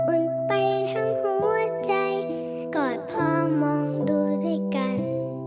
อุ่นไปทั้งหัวใจกอดพ่อมองดูด้วยกัน